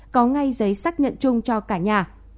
có ngay giấy xác nhận chung cho cả nhà